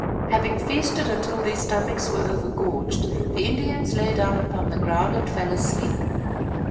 Having feasted until their stomachs were overgorged, the Indians lay down upon the ground and fell asleep.